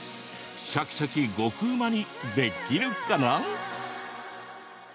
シャキシャキ、極うまにできるかな？